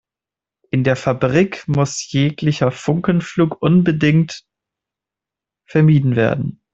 In der Fabrik muss jeglicher Funkenflug unbedingt vermieden werden.